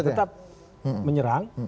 ya tetap menyerang